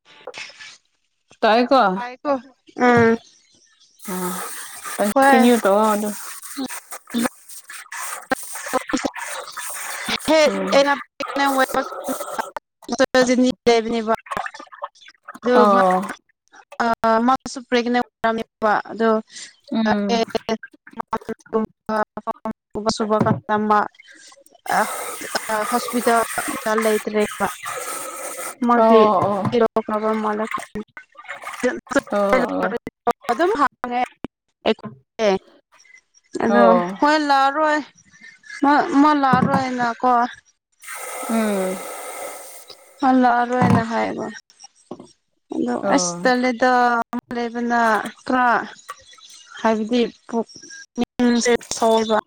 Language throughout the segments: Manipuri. [inaudible] ꯇꯥꯏꯀꯣ ꯉꯥꯏꯈꯣ ꯑ ꯑ ꯀꯟꯇꯤꯅ꯭ꯌꯨ ꯇꯧꯑꯣ ꯑꯗꯣ [inaudible] ꯍꯦ ꯎꯝ ꯑꯩꯅ [unintelligible] ꯂꯩꯕꯅꯦꯕ ꯑ ꯑꯥ ꯃꯥꯁꯨ ꯄ꯭ꯔꯦꯒꯅꯦꯟ ꯑꯣꯏꯔꯝꯅꯤꯕ ꯑꯗꯣ ꯎꯝ [unintelligible] ꯊꯕꯛ ꯁꯨꯕ ꯀꯥꯟꯗ ꯃꯥ ꯑꯥ ꯍꯣꯁꯄꯤꯇꯥꯜ ꯗ ꯂꯩꯇ꯭ꯔꯦꯕ ꯑꯣ ꯃꯒꯤ ꯀꯦꯔꯣ ꯀꯥꯕ ꯃꯥꯜꯂꯦ [unintelligible] ꯑꯣ ꯑꯣ ꯑꯗꯣ ꯑꯣ ꯑꯣ ꯍꯣꯏ ꯂꯥꯛꯑꯔꯣꯏꯣꯏ ꯃꯥ ꯂꯥꯛꯑꯔꯣꯏꯅꯀꯣ ꯎꯝ ꯍꯜꯂꯛꯑꯔꯣꯏꯅ ꯍꯥꯏꯕ ꯑꯗꯣ ꯑꯣ ꯑꯁ ꯎꯝ ꯇꯜꯂꯦꯗ ꯑꯃ ꯂꯩꯕꯅ ꯈꯔ ꯍꯥꯏꯕꯗꯤ ꯄꯨꯛꯅꯤꯡꯁꯦ ꯁꯣꯏꯕ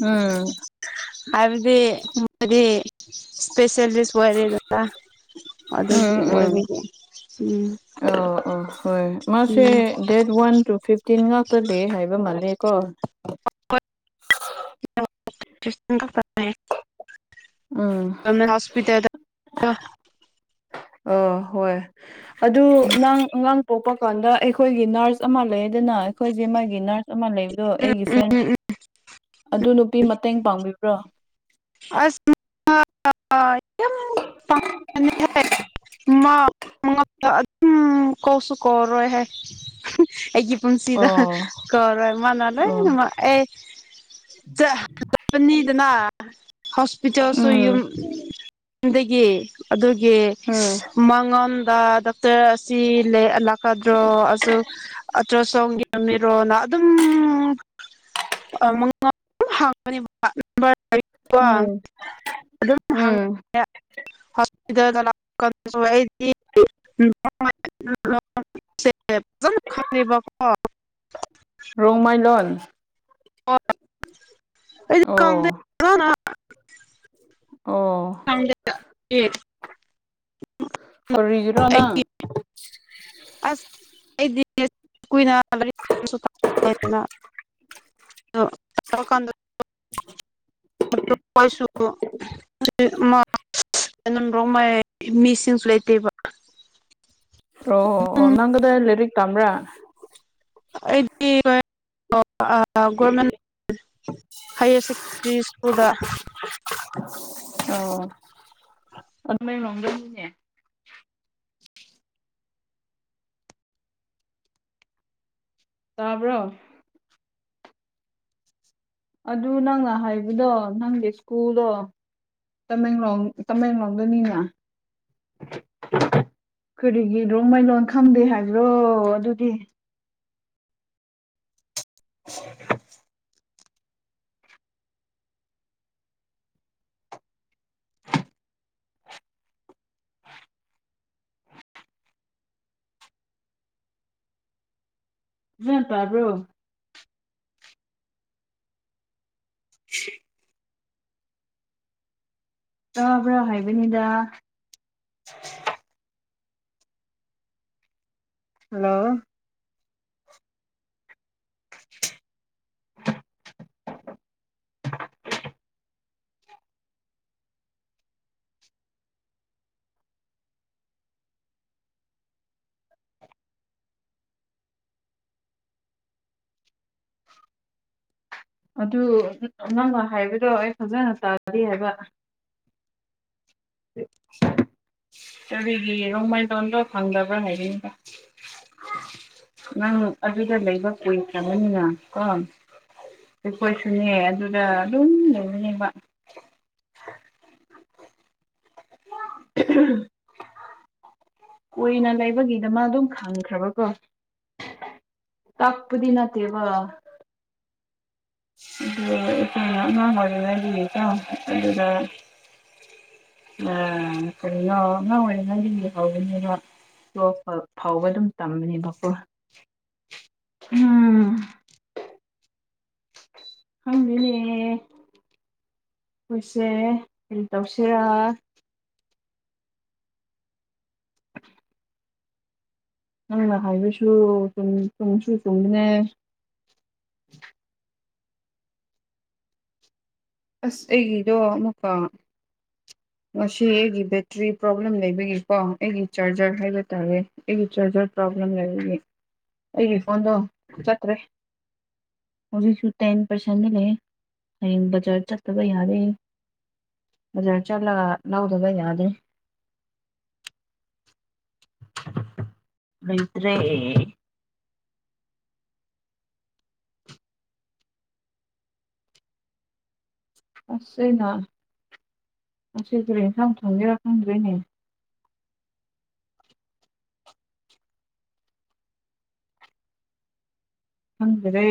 ꯎꯝ ꯍꯥꯏꯕꯗꯤ ꯃꯗꯤ ꯁ꯭ꯄꯦꯁꯦꯂꯤꯁ ꯑꯣꯏꯔꯦꯗꯅ ꯑꯗꯨꯗꯤ ꯑꯣꯏꯕꯤꯗꯤ ꯎꯝ ꯑ ꯑꯣ ꯍꯣꯏ ꯃꯥꯁꯦ ꯗꯦꯠ ꯋꯥꯟ ꯇꯨ ꯐꯤꯐꯇꯤꯟ ꯉꯥꯛꯇ ꯂꯩ ꯍꯥꯏꯕ ꯃꯥꯜꯂꯦꯀꯣ [unintelligible] ꯎꯝ ꯍꯣꯁꯄꯤꯇꯜꯗ ꯑꯥ ꯍꯣꯏ ꯑꯗꯨ ꯅꯪ ꯑꯉꯪꯡ ꯄꯣꯛꯄ ꯀꯥꯟꯗ ꯑꯩꯈꯣꯏꯒꯤ ꯅꯔꯁ ꯑꯃ ꯂꯩꯌꯦꯗꯅꯥ ꯑꯩꯈꯣꯏꯒꯤ ꯃꯥꯒꯤ ꯅꯔꯁ ꯑꯃ ꯂꯩꯕꯗꯣ ꯑꯩꯒꯤ ꯐ꯭ꯔꯦꯟ ꯑꯗꯨ ꯅꯨꯄꯤ ꯃꯇꯦꯡ ꯄꯥꯡꯕꯤꯕ꯭ꯔꯣ ꯑꯁ ꯑꯥ ꯌꯝ ꯄꯥꯡ [inaudible] ꯃꯥ ꯃꯉꯛꯇ ꯑꯗꯨꯝ ꯀꯧꯁꯨ ꯀꯧꯔꯣꯏ ꯍꯥꯏ ꯍ ꯑꯩꯒꯤ ꯄꯨꯟꯁꯤꯗ ꯑꯣ ꯀꯧꯔꯣꯏ ꯃꯥꯅ ꯑꯣ ꯂꯣꯏꯅꯃꯛ ꯑꯦ ꯆꯥ ꯇꯣꯛꯀꯅꯤꯗ ꯍꯣꯁꯄꯤꯇꯜꯁ ꯎꯝ ꯗꯒꯤ ꯑꯗꯨꯒꯤ ꯎꯝ ꯃꯥꯉꯣꯟꯗ ꯗꯥꯛꯇꯔ ꯑꯁꯤ ꯂꯩ ꯑꯂꯥꯛꯀꯗ꯭ꯔꯣ ꯑꯁꯨ ꯑꯜꯇ꯭ꯔꯥ ꯁꯥꯎꯟꯒꯤ [unintelligible] ꯃꯤꯔꯣꯅ ꯑꯗꯨꯝ ꯎꯝ [inaudible] ꯑꯗꯨꯝ ꯍꯪ ꯎꯝ [inaudible] [inaudible] ꯐꯖꯅ ꯈꯪꯉꯦꯕꯀꯣ ꯔꯣꯡꯃꯩ ꯂꯣꯟ ꯑꯩꯗꯤ [inaudible] ꯑꯣ ꯑꯣ [inaudible] ꯐꯣꯔꯤꯒꯤꯔꯣ ꯅꯪ ꯑꯩꯒꯤ ꯑꯁ ꯑꯩꯗꯤ [inaudible] [inaudible] [inaudible] [unintelligible] [inaudible] [unintelligible] [unintelligible] ꯔꯣꯡꯃꯩ ꯃꯤꯁꯤꯡꯁꯨ ꯂꯩꯇꯦꯕ ꯑꯣ ꯑꯣ ꯑꯣ ꯅꯪ ꯀꯗꯥꯏ ꯂꯥꯏꯔꯤꯛ ꯇꯝꯕ꯭ꯔꯥ? ꯑꯩꯗꯤ [unintelligible] [unintelligible] ꯒꯣꯔꯃꯦꯟ ꯍꯥꯏꯌꯔ ꯁꯦꯀꯦꯟꯗꯔꯤ ꯁ꯭ꯀꯨꯜꯗ ꯑꯣ [inaudible] [unintelligible] ꯇꯥꯕ꯭ꯔꯣ ꯑꯗꯨ ꯅꯪꯅ ꯍꯥꯏꯕꯗꯣ ꯅꯪꯒꯤ ꯁ꯭ꯀꯨꯜꯗꯣ ꯇꯃꯦꯡꯂꯣꯡ ꯇꯃꯦꯡꯂꯣꯡꯗꯅꯤꯅ ꯀꯔꯤꯒꯤ ꯔꯣꯡꯃꯩ ꯂꯣꯟ ꯈꯪꯗꯦ ꯍꯥꯏꯕ꯭ꯔꯣ ꯑꯗꯨꯗꯤ [inaudible] ꯒ꯭ꯌꯥꯟ ꯇꯥꯕ꯭ꯔꯣ? ꯁꯤ ꯇꯥꯕ꯭ꯔ ꯍꯥꯏꯕꯅꯤꯗ ꯍꯜꯂꯣ ꯑꯗꯨ ꯅꯪꯅ ꯍꯥꯏꯕꯗꯣ ꯑꯩ ꯐꯖꯅ ꯇꯥꯗꯦ ꯍꯥꯏꯕ [inaudible] ꯀꯔꯤꯒꯤ ꯔꯣꯡꯃꯩ ꯂꯣꯟꯗꯣ ꯈꯪꯗꯕ꯭ꯔ ꯍꯥꯏꯕꯤꯕ ꯅꯪ ꯑꯗꯨꯗ ꯂꯩꯕ ꯀꯨꯏꯈ꯭ꯔꯕꯅꯤꯅ ꯀꯣ ꯑꯩꯈꯣꯏꯁꯨꯅꯦ ꯑꯗꯨꯗ ꯑꯗꯨꯝ ꯂꯩꯕꯅꯦꯕ [inaudible] ꯀꯨꯏꯅ ꯂꯩꯕꯒꯤꯗꯃꯛ ꯑꯗꯨꯝ ꯈꯪꯈ꯭ꯔꯕꯀꯣ ꯇꯥꯛꯄꯗꯤ ꯅꯠꯇꯦꯕ ꯑꯗꯨ [unintelligible] ꯑꯉꯥꯡ ꯑꯣꯏꯔꯤꯉꯗꯒꯤ [unintelligible] ꯑ ꯀꯔꯤꯅꯣ [unintelligible] ꯇ꯭ꯌꯨꯦꯜ ꯐꯥꯎꯕ ꯑꯗꯨꯝ ꯇꯝꯕꯅꯦꯕꯀꯣ ꯎꯝ ꯈꯪꯗꯦꯅꯦ ꯈꯣꯏꯁꯦ ꯀ꯭ꯔꯤ ꯇꯧꯁꯤꯔ ꯅꯪꯅ ꯍꯥꯏꯕꯁꯨꯨ ꯆꯨꯝ ꯆꯨꯝꯁꯨ ꯆꯨꯝꯕꯅꯦ ꯑꯁ ꯑꯩꯒꯤꯗꯣ ꯑꯃꯨꯛꯀ ꯉꯁꯤ ꯑꯩꯒꯤ ꯕꯦꯇ꯭ꯔꯤ ꯄ꯭ꯔꯣꯕ꯭ꯂꯦꯝ ꯂꯩꯕꯒꯤꯀꯣ ꯑꯩꯒꯤ ꯆꯥꯔꯖꯔ ꯍꯥꯏꯕ ꯇꯥꯔꯦ ꯑꯩꯒꯤ ꯆꯥꯔꯖꯔ ꯄ꯭ꯔꯣꯕ꯭ꯂꯦꯝ ꯂꯩꯕꯒꯤ ꯑꯩꯒꯤ ꯐꯣꯟꯗꯣ ꯆꯠꯇ꯭ꯔꯦ ꯍꯧꯖꯤꯛꯁꯨ ꯇꯦꯟ ꯄꯥꯔꯁꯦꯟꯗꯤ ꯂꯩꯌꯦ ꯍꯌꯦꯡ ꯕꯖꯥꯔ ꯆꯠꯇꯕ ꯌꯥꯗꯦ ꯕꯖꯥꯔ ꯆꯠꯂꯒ ꯂꯧꯗꯕ ꯌꯥꯗꯦ ꯂꯩꯇ꯭ꯔꯦ ꯑꯁ ꯑꯩꯅ ꯉꯁꯤ ꯀꯔꯤ ꯌꯦꯟꯁꯥꯡ ꯊꯣꯡꯒꯦꯔ ꯈꯪꯗ꯭ꯔꯦꯅꯦ ꯈꯪꯗ꯭ꯔꯦ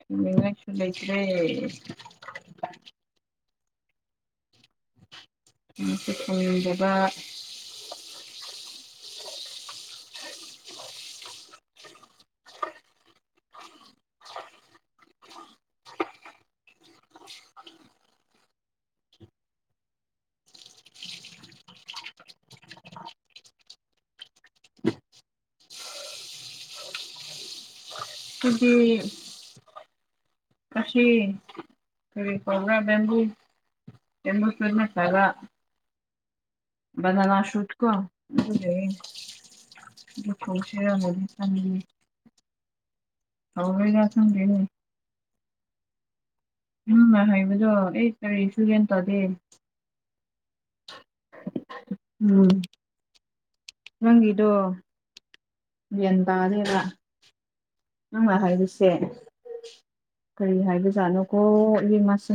ꯊꯣꯡꯅꯤꯉꯥꯏꯁꯨ ꯂꯩꯇ꯭ꯔꯦ [unintelligible] ꯗꯨꯒꯤ ꯉꯁꯤ ꯀ꯭ꯔꯤ ꯇꯧꯕ꯭ꯔꯥ [unintelligible] ꯕꯅꯥꯅꯥ ꯁꯨꯠꯀꯣ ꯑꯗꯨ ꯂꯩꯌꯦ ꯑꯗꯨ ꯊꯣꯡꯁꯤꯔꯅꯗꯤ ꯈꯟꯕꯅꯤ ꯍꯥꯎꯔꯣꯏꯔ ꯈꯪꯗꯦꯅꯦ ꯅꯪꯅ ꯍꯥꯏꯕꯗꯣ ꯑꯩ ꯀꯔꯤꯁꯨꯨ ꯒ꯭ꯌꯥꯟ ꯇꯥꯗꯦ ꯎꯝ ꯅꯪꯒꯤꯗꯣ ꯒ꯭ꯌꯥꯟ ꯇꯥꯗ꯭ꯔꯦꯕ ꯅꯪꯅ ꯍꯥꯏꯕꯁꯦ ꯀꯔꯤ ꯍꯥꯏꯕꯖꯥꯠꯂ ꯀꯣ ꯏꯕꯦꯝꯃꯁꯦ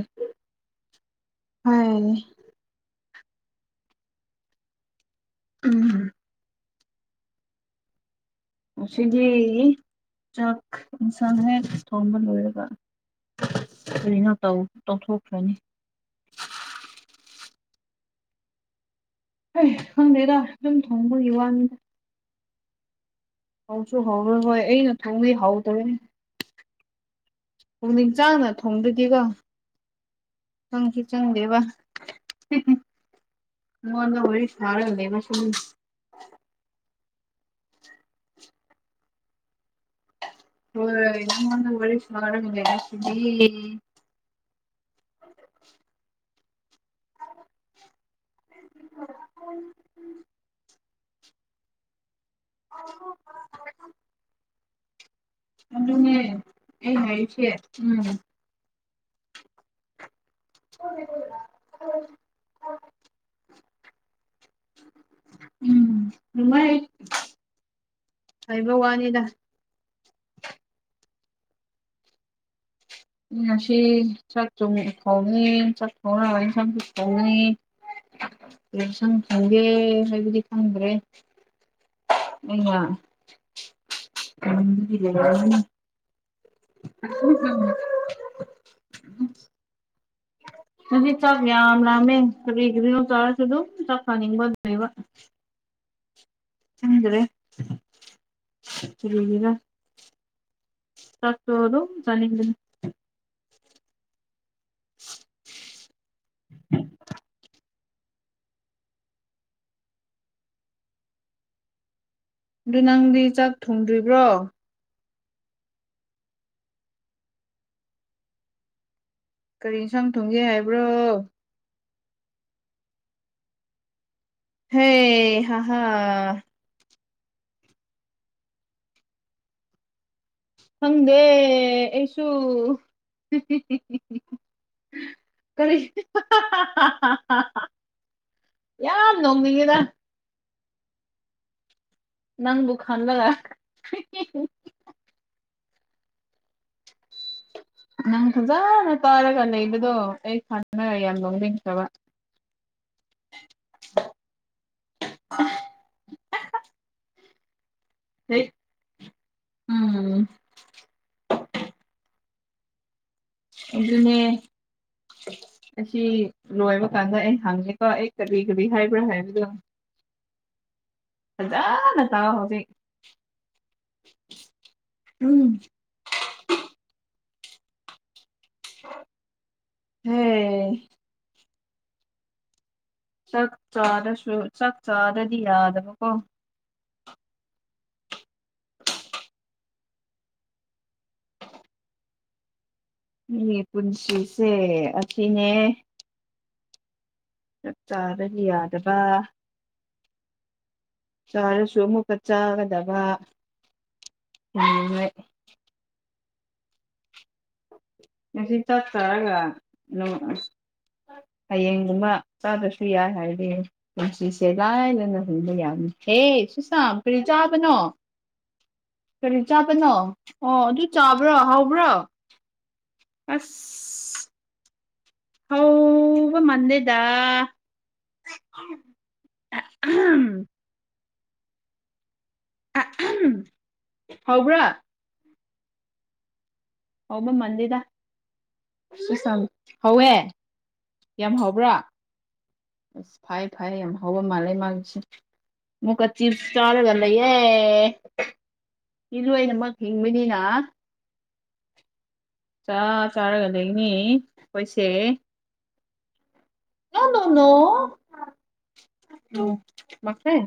ꯍꯣꯏ ꯎꯝ ꯉꯁꯤꯗꯤ ꯆꯥꯛ ꯏꯟꯁꯥꯡ ꯍꯦꯛ ꯊꯣꯡꯕ ꯂꯣꯏꯔꯒ ꯀꯔꯤꯅꯣ ꯇꯧ ꯇꯧꯊꯣꯛꯈ꯭ꯔꯅꯤ ꯍꯩ ꯈꯪꯗꯦꯗ ꯗꯨꯝ ꯊꯣꯡꯕꯒꯤ ꯋꯥꯅꯤ ꯍꯥꯎꯁꯨ ꯍꯥꯎꯔꯣꯏ ꯍꯣꯏ ꯑꯩꯅ ꯊꯣꯡꯉꯦ ꯍꯥꯎ ꯇꯕꯅꯦ ꯄꯨꯛꯅꯤꯡ ꯆꯡꯅ ꯊꯣꯡꯗꯒꯦꯀꯣ ꯆꯪꯁꯨ ꯆꯪꯗꯦꯕ ꯅꯪꯉꯣꯟꯗ ꯋꯔꯤ ꯁꯥꯥꯔ ꯂꯩꯕꯁꯨ ꯂꯣꯏꯔꯦ ꯅꯪꯉꯣꯟꯗ ꯋꯥꯔꯤ ꯁꯥꯟꯅꯥꯔꯒ ꯂꯩꯕꯁꯤꯗꯤ [unintelligible] [unintelligible] ꯑꯗꯨꯅꯦ ꯑꯩ ꯍꯥꯏꯔꯤꯕꯁꯦ ꯎꯝ [unintelligible] ꯎꯝ ꯑꯗꯨꯃꯥꯏ ꯍꯥꯏꯕ ꯋꯥꯅꯤꯗ ꯉꯁꯤ ꯆꯥꯛ [unintelligible] ꯆꯥꯛ ꯊꯣꯡꯔꯒ ꯏꯟꯁꯥꯡꯁꯨ ꯊꯣꯡꯉꯤ ꯀꯩ ꯏꯟꯁꯥꯡ ꯊꯣꯡꯒꯦ ꯍꯥꯏꯕꯗꯤ ꯈꯪꯗ꯭ꯔꯦ [unintelligible] [unintelligible] ꯉꯁꯤ ꯆꯥꯛ ꯌꯥꯝ ꯂꯥꯝꯃꯦ ꯀ꯭ꯔꯤ ꯀ꯭ꯔꯤꯅꯣ ꯆꯥꯔꯁꯨ ꯑꯗꯨꯝ ꯆꯥꯛ ꯆꯥꯅꯤꯡꯕ ꯂꯩꯕ ꯈꯪꯗ꯭ꯔꯦ ꯀꯔꯤꯒꯤꯔ ꯆꯥꯛ ꯇꯣ ꯑꯗꯨꯝ ꯆꯥꯅꯤꯡꯕꯅꯤ [unintelligible] ꯑꯗꯣ ꯅꯪꯗꯤ ꯆꯥꯛ ꯊꯣꯡꯗ꯭ꯔꯤꯕ꯭ꯔꯣ ꯀꯔꯤ ꯢꯟꯁꯥꯡ ꯊꯣꯡꯒꯦ ꯍꯥꯏꯕ꯭ꯔꯣ ꯍꯦ ꯍꯥ ꯍꯥ ꯈꯪꯗꯦ ꯑꯩꯁꯨ ꯍꯤꯍꯤꯍꯤꯍꯤ ꯀꯔꯤ ꯍꯤꯍꯥ ꯍꯥ ꯍꯥ ꯍꯥ ꯍꯥ ꯌꯥꯝ ꯅꯣꯛꯅꯤꯡꯉꯦꯗ ꯅꯪꯕꯨ ꯈꯟꯂꯒ ꯍꯤꯍꯤꯍꯤ ꯅꯪ ꯐꯖꯅ ꯇꯥꯔꯒ ꯂꯩꯕꯗꯣ ꯑꯩ [unintelligible] ꯌꯥꯝ ꯅꯣꯛꯅꯤꯡꯈ꯭ꯔꯕ [unintelligible] ꯍꯩ ꯎꯝ ꯑꯗꯨꯅꯦ ꯑꯁꯤ ꯂꯣꯏꯕ ꯀꯥꯟꯗ ꯑꯩ ꯍꯪꯒꯦꯀꯣ ꯑꯩ ꯀꯔꯤ ꯀꯔꯤ ꯍꯥꯏꯕ꯭ꯔꯥ ꯍꯥꯏꯕꯗꯨ ꯐꯖꯥꯅ ꯇꯥꯎ ꯍꯧꯖꯤꯛ ꯎꯝ ꯍꯦ ꯆꯥꯛ ꯆꯥꯔꯁꯨ ꯆꯥꯛ ꯆꯥꯗ꯭ꯔꯗꯤ ꯌꯥꯗꯕꯀꯣ ꯑꯩꯒꯤ ꯄꯨꯟꯁꯤꯁꯦ ꯑꯁꯤꯅꯦ ꯆꯥꯛ ꯆꯥꯗꯗꯤ ꯌꯥꯗꯕ ꯆꯥꯔꯁꯨ ꯑꯃꯨꯛꯀ ꯆꯥꯒꯗꯕ [unintelligible] ꯉꯁꯤ ꯆꯥꯛ ꯆꯔꯒ ꯅꯪ ꯑꯣ ꯍꯌꯦꯡꯒꯨꯝꯕ ꯆꯥꯗ꯭ꯔꯁꯨ ꯌꯥꯏ ꯍꯥꯏꯔꯗꯤ ꯄꯨꯟꯁꯤꯁꯦ ꯂꯥꯏꯅꯅ ꯍꯤꯡꯕ ꯌꯥꯕꯅꯤ ꯍꯦ ꯁꯨꯁꯥ ꯀ꯭ꯔꯤ ꯆꯥꯕꯅꯣ ꯀꯔꯤ ꯆꯥꯕꯅꯣ ꯑꯣ ꯑꯗꯨ ꯆꯥꯕ꯭ꯔꯣ ꯍꯥꯎꯕ꯭ꯔꯣ ꯑꯁ ꯍꯧꯕ ꯃꯥꯟꯂꯦꯗ [unintelligible] ꯑꯥ ꯑꯝ ꯍꯥꯎꯕ꯭ꯔꯥ ꯍꯥꯎꯕ ꯃꯥꯟꯗꯦꯗ [unintelligible] ꯍꯧꯋꯦ ꯌꯥꯝ ꯍꯥꯎꯕ꯭ꯔꯥ ꯑꯁ ꯐꯥꯏ ꯐꯥꯏ ꯌꯥꯝ ꯍꯥꯎꯕ ꯃꯥꯜꯂꯦ ꯃꯥꯒꯤꯁꯤ ꯃꯨꯛꯀ ꯆꯤꯞꯁ ꯆꯥꯔꯒ ꯂꯩꯌꯦ ꯏ ꯂꯣꯏꯅꯃꯛ ꯍꯤꯡꯕꯅꯤꯅ ꯆꯥ ꯆꯥꯔꯒ ꯂꯩꯅꯤ ꯑꯈꯣꯏꯁꯦ ꯅꯣ ꯅꯣ ꯅꯣ ꯃꯥꯢ ꯐ꯭ꯔꯦꯟ